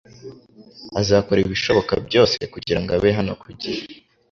Azakora ibishoboka byose kugirango abe hano ku gihe